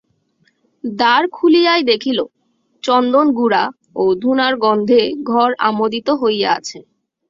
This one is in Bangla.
দ্বার খুলিয়াই দেখিল, চন্দনগুঁড়া ও ধুনার গন্ধে ঘর আমোদিত হইয়াআছে।